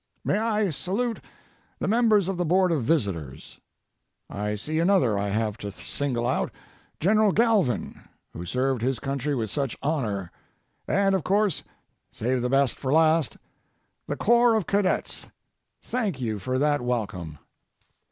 May I salute the members of the Board of Visitors. I see another I have to single out, General Galvin, who served his country with such honor. And, of course, save the best for last, the Corps of Cadets, thank you for that welcome.